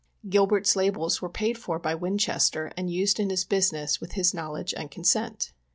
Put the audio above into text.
Gilbert's labels were paid for by Winchester and used in his business with his knowledge and consent.